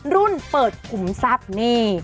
รุ่นเปิดขุมทรัพย์นี่